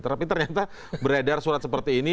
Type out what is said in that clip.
tapi ternyata beredar surat seperti ini